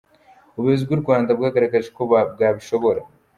Ubuyobozi bw’u Rwanda bwagaragaje ko bwabishobora.”